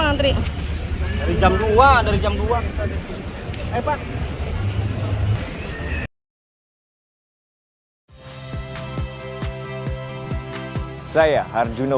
ngantri bu ngantri juga